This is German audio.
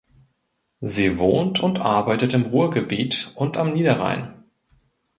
Sie wohnt und arbeitet im Ruhrgebiet und am Niederrhein.